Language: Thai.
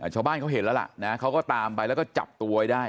ชาวบ้านเขาเห็นแล้วล่ะนะเขาก็ตามไปแล้วก็จับตัวไว้ได้